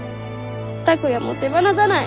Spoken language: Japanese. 拓哉も手放さない。